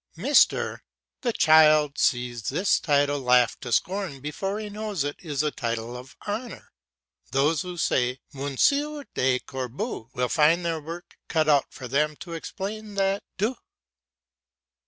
Mr.! The child sees this title laughed to scorn before he knows it is a title of honour. Those who say "Monsieur du Corbeau" will find their work cut out for them to explain that "du."